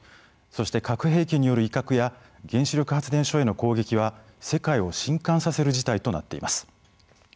そして核兵器による威嚇や原子力発電所への攻撃は世界を震かんさせる事態となっています。